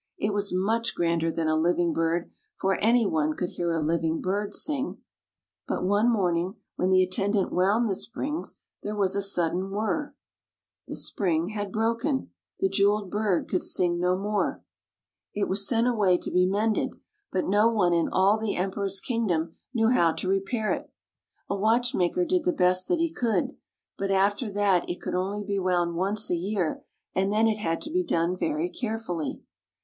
It was much grander than a living bird, for anyone could hear a living bird sing. But one morning when the attendant wound the springs, there was a sudden whirr. The spring had broken. The jeweled bird could sing no more. It was sent away to be mended, but no one [ 45 ] FAVORITE FAIRY TALES RETOLD in all the Emperor's kingdom knew how to repair it. A watch maker did the best that he could; but after that it could be wound only once a year, and then it had to be done very carefully.